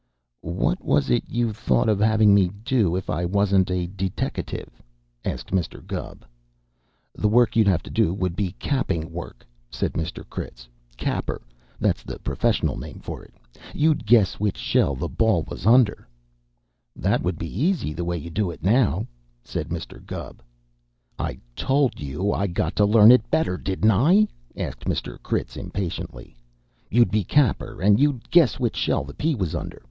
"What was it you thought of having me do if I wasn't a deteckative?" asked Mr. Gubb. "The work you'd have to do would be capping work," said Mr. Critz. "Capper that's the professional name for it. You'd guess which shell the ball was under " "That would be easy, the way you do it now," said Mr. Gubb. "I told you I'd got to learn it better, didn't I?" asked Mr. Critz impatiently. "You'd be capper, and you'd guess which shell the pea was under.